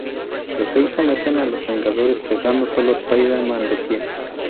Los Seis someten a los Vengadores, dejando solo a Spider-Man de pie.